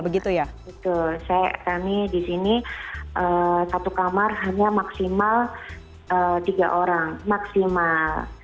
betul kami di sini satu kamar hanya maksimal tiga orang maksimal